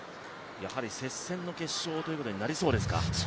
接戦の決勝ということになりそうですか？